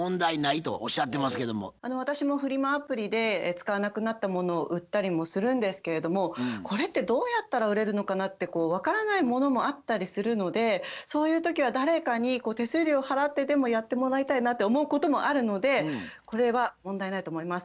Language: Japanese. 私もフリマアプリで使わなくなったものを売ったりもするんですけれどもこれってどうやったら売れるのかなって分からないものもあったりするのでそういう時は誰かに手数料払ってでもやってもらいたいなって思うこともあるのでこれは問題ないと思います。